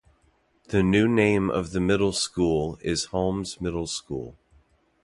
The new name of the middle school is Holmes Middle School.